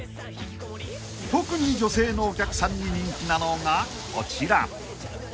［特に女性のお客さんに人気なのがこちら］